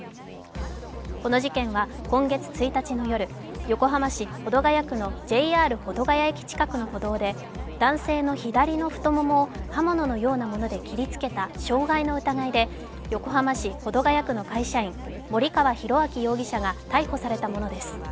この事件は今月１日の夜、横浜市保土ケ谷区のＪＲ保土ケ谷駅近くの歩道で男性の左の太ももを刃物のようなもので切りつけた傷害の疑いで横浜市保土ケ谷区の会社員、森川浩昭容疑者が逮捕されたものです。